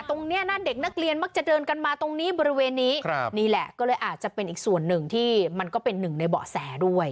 ตรงเนี้ยนะเด็กนักเรียนมักจะเดินกันมาตรงนี้บริเวณนี้ครับนี่แหละก็เลยอาจจะเป็นอีกส่วนหนึ่งที่มันก็เป็นหนึ่งในเบาะแสด้วย